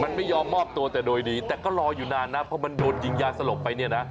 มันไม่ยอมมอบตัวแต่โดยดีแต่ก็รออยู่นานนะเพราะมันโดนยิงยาสลบไปเนี่ยนะ